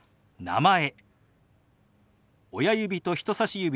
「名前」。